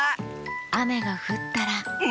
あめがふったらンフフ。